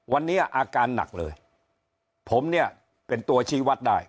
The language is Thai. วันนี้อาการหนักเลยผมเนี่ยเป็นตัวชี้วัดได้